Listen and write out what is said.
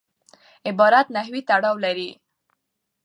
عبارت نحوي تړاو لري.